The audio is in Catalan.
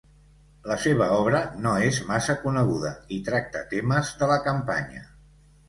La seva obra no és massa coneguda i tracta temes de la campanya.